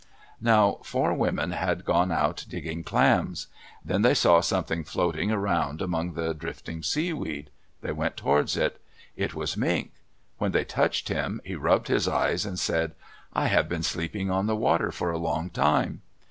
Now four women had gone out digging clams. Then they saw something floating around among the drifting seaweed. They went towards it. It was Mink. When they touched him, he rubbed his eyes and said, "I have been sleeping on the water for a long time."